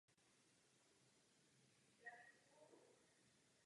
V době vánočního příměří zaútočil na družinu Richarda z Yorku a hraběte ze Salisbury.